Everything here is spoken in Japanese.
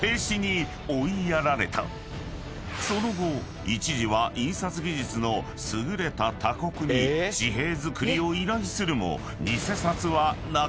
［その後一時は印刷技術の優れた他国に紙幣造りを依頼するも］